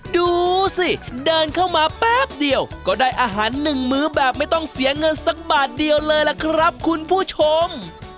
ดูสิเดินเข้ามาแป๊บเดียวก็ได้อาหารหนึ่งมื้อแบบไม่ต้องเสียเงินสักบาทเดียวเลยล่ะครับคุณผู้ชม